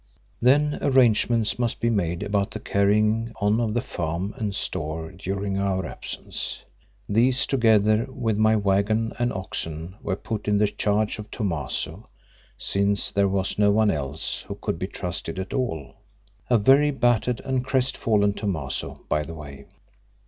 Then arrangements must be made about the carrying on of the farm and store during our absence. These, together with my waggon and oxen, were put in the charge of Thomaso, since there was no one else who could be trusted at all—a very battered and crestfallen Thomaso, by the way.